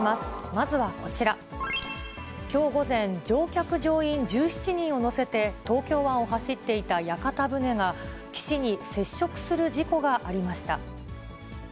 きょう午前、乗客・乗員１７人を乗せて、東京湾を走っていた屋形船が、岸に接触する事故がありました。